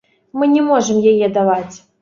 Мы не можам яе даваць.